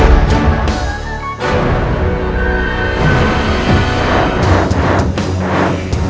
itu terlihat baju kuda saya